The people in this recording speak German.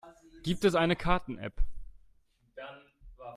Gibt es eine Karten-App?